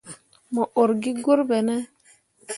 Mo ur gi gur ɓene ?